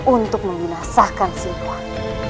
untuk membinasahkan si luwani